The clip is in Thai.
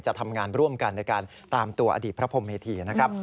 จะทำงานร่วมกันในการตามตัวอดีตพระพรมเมธีนะครับ